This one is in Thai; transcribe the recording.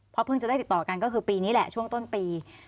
เพราะเพิ่งจะได้ติดต่อกันก็คือปีนี้แหละช่วงต้นปี